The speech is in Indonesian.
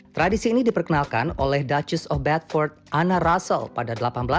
tradisi ini diperkenalkan oleh ducus of bedford anna russel pada seribu delapan ratus delapan puluh